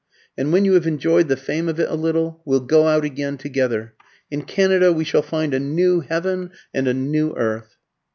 And when you have enjoyed the fame of it a little, we'll go out again together. In Canada we shall find a new heaven and a new earth."